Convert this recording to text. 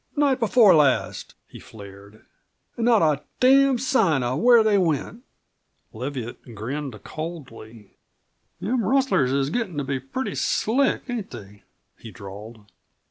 "Night before last," he flared. "An' not a damned sign of where they went!" Leviatt grinned coldly. "Them rustlers is gettin' to be pretty slick, ain't they?" he drawled.